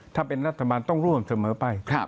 ถ้าเป็นรัฐบาลต้องร่วมเสมอไป